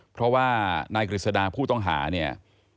เพราะว่านายกฤษดาผู้ต้องหาเนี่ย